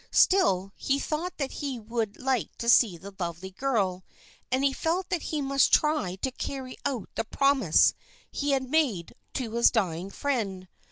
Still he thought that he would like to see the lovely girl, and he felt that he must try to carry out the promise he had made to his dying friend.